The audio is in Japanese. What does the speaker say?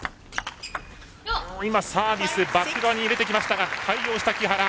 今、サービスバック側に入れてきましたが対応した木原。